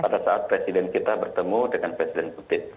dan kita bertemu dengan presiden kutip